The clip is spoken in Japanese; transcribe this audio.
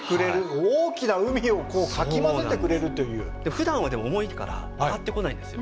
ふだんは重いから上がってこないんですよ。